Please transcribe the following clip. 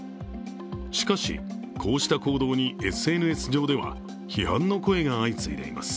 しかし、こうした行動にＳＮＳ上では批判の声が相次いでいます。